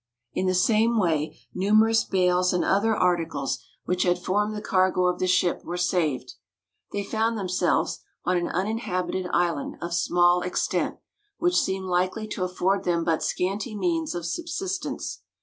In the same way, numerous bales and other articles which had formed the cargo of the ship were saved. They found themselves on an uninhabited island of small extent, which seemed likely to afford them but scanty means of subsistence.